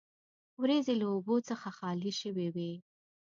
وریځې له اوبو څخه خالي شوې وې.